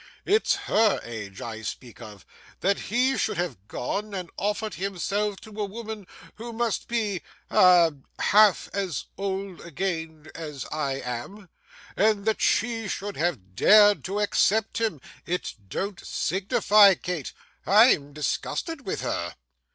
It's HER age I speak of. That he should have gone and offered himself to a woman who must be ah, half as old again as I am and that she should have dared to accept him! It don't signify, Kate; I'm disgusted with her!